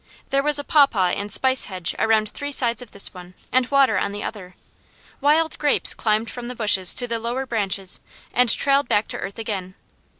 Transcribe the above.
There was a pawpaw and spice hedge around three sides of this one, and water on the other. Wild grapes climbed from the bushes to the lower branches and trailed back to earth again.